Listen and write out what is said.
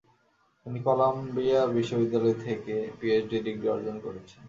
তিনি কলাম্বিয়া বিশ্ববিদ্যালয় থেকে পিএইচডি ডিগ্রি অর্জন করেছেন।